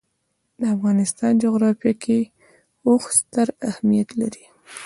د افغانستان جغرافیه کې اوښ ستر اهمیت لري.